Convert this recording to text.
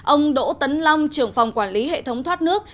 ông đỗ tấn long trưởng phòng quản lý hệ thống thoát nước